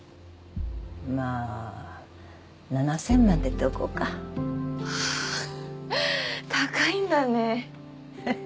まあ７０００万ってとこかはあー高いんだねえっ？